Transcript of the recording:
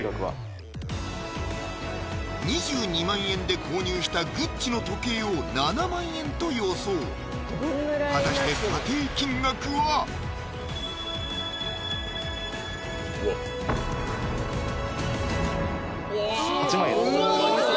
２２万円で購入したグッチの時計を７万円と予想果たして８万円です